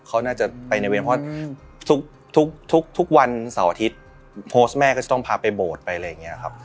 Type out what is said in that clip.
เขาน่าจะไปในเวรเพราะทุกวันเสาร์อาทิตย์โพสต์แม่ก็จะต้องพาไปโบสถ์ไปอะไรอย่างนี้ครับ